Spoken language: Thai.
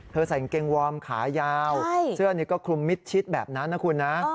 ใส่กางเกงวอร์มขายาวเสื้อนี่ก็คลุมมิดชิดแบบนั้นนะคุณนะ